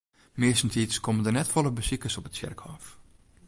Meastentiids komme der net folle besikers op it tsjerkhôf.